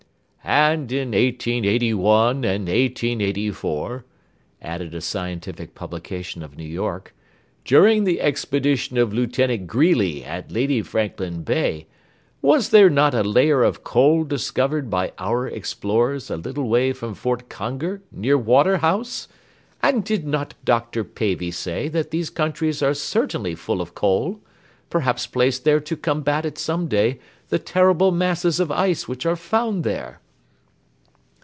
"And in 1881 and 1884," added a scientific publication of New York, "during the expedition of Lieut. Greely at Lady Franklin Bay, was not a layer of coal discovered by our explorers a little way from Fort Conger, near Waterhouse? And did not Dr. Pavy say that these countries are certainly full of coal, perhaps placed there to combat at some day the terrible masses of ice which are found there?"